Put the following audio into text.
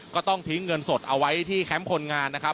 ก็ต้องทิ้งเงินสดเอาไว้ที่แคมป์คนงานนะครับ